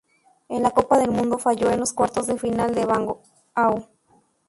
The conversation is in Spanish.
En la Copa del Mundo, falló en los cuartos de final a Wang Hao.